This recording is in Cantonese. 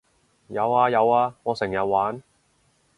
有呀有呀我成日玩